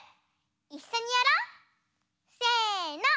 いっしょにやろう！せの。